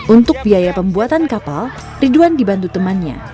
untuk biaya pembuatan kapal ridwan dibantu temannya